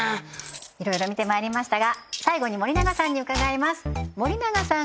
いろいろ見てまいりましたが最後に森永さんに伺います教えてください